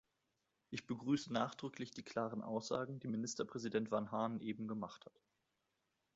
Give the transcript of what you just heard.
Ich begrüße nachdrücklich die klaren Aussagen, die Ministerpräsident Vanhanen eben gemacht hat.